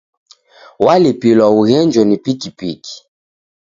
Walipilwa eghenjo ni pikipiki.